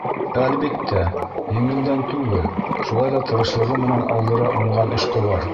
Әлбиттә, еңелдән түгел, шулай ҙа тырышлығы менән алдыра уңған эшҡыуар.